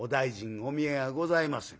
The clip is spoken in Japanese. お見えがございません。